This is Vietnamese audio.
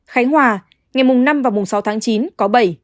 khánh hòa ngày năm sáu tháng chín có bảy